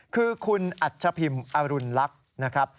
คือคุณอัชพิมอรุณลักษณ์นะครับ